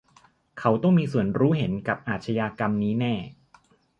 เขาต้องมีส่วนรู้เห็นกับอาชญากรรมนี้แน่